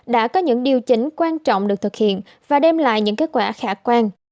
đã có những điều chỉnh quan trọng được thực hiện và đem lại những kết quả khả quan